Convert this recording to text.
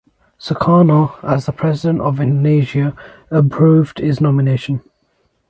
Sukarno as the President of Indonesia approved his nomination.